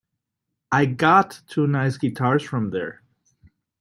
I got two nice guitars from there.